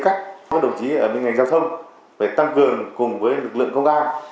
các đồng chí ở bên ngành giao thông phải tăng cường cùng với lực lượng công an